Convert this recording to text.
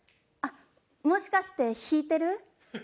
あっもしかして引いてる？